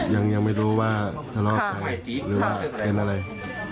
ยังยังไม่รู้ว่าทะเลาะกับใครค่ะหรือว่าเป็นอะไรค่ะ